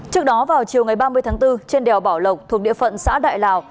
trước đó vào chiều ngày ba mươi tháng bốn trên đèo bảo lộc thuộc địa phận xã đại lào